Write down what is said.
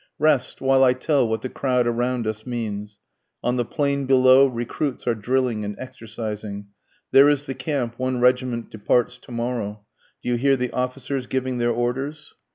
Rest, while I tell what the crowd around us means, On the plain below recruits are drilling and exercising, There is the camp, one regiment departs to morrow, Do you hear the officers giving their orders?